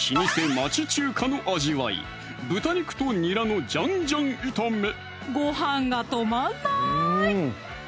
「町中華」の味わいごはんが止まんない！